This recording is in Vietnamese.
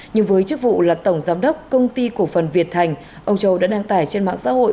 nhưng với chức vụ là tổng giám đốc công ty cổ phần việt thành ông châu đã đăng tải trên mạng xã hội